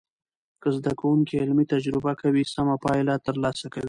که زده کوونکي علمي تجربه کوي، سمه پایله تر لاسه کوي.